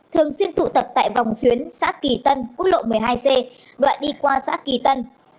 thường xuyên tụ tập tại vòng xuyến xã kỳ tân quốc lộ một mươi hai c đoạn đi qua xã kỳ tân